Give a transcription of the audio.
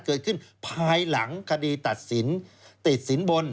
เกิดขึ้นภายหลังคดีตัดสินติดสินบน